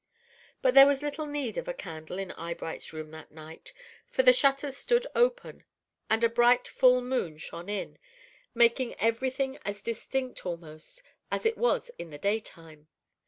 But there was little need of a candle in Eyebright's room that night, for the shutters stood open, and a bright full moon shone in, making every thing as distinct, almost, as it was in the daytime.